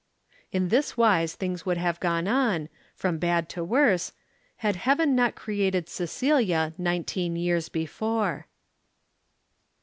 In this wise things would have gone on from bad to worse had Heaven not created Cecilia nineteen years before.